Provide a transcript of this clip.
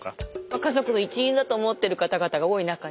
家族の一員だと思ってる方々が多い中でね